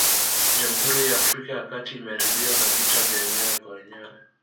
Jamhuri ya Afrika ya kati imeharibiwa na vita vya wenyewe kwa wenyewe